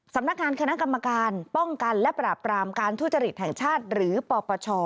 สำนักงานคณะกรรมการป้องกันและปราบปรามการทุจริตแห่งชาติหรือปปช